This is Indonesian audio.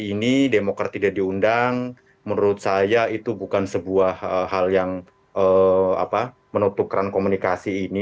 ini demokrat tidak diundang menurut saya itu bukan sebuah hal yang menutup keran komunikasi ini